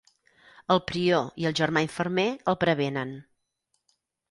El prior i el germà infermer el prevenen.